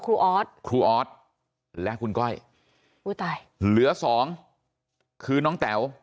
ออสครูออสและคุณก้อยอุ้ยตายเหลือสองคือน้องแต๋ว